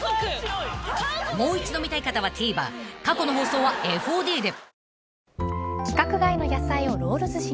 ［もう一度見たい方はＴＶｅｒ過去の放送はＦＯＤで］